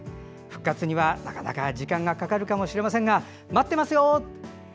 復活にはなかなか時間がかかるかもしれませんが待っていますよ。